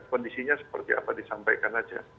kondisinya seperti apa disampaikan saja